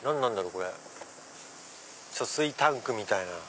これ貯水タンクみたいな。